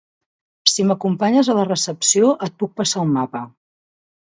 Si m'acompanyes a la recepció et puc passar un mapa.